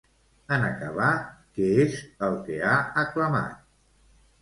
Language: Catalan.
En acabar, què és el que ha aclamat?